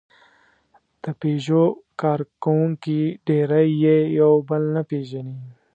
د پيژو کارکوونکي ډېری یې یو بل نه پېژني.